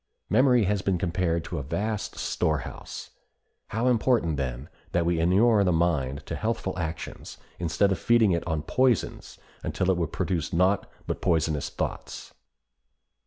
Memory has been compared to a vast storehouse. How important, then, that we inure the mind to healthful actions instead of feeding it on poisons until it will produce naught but poisonous thoughts!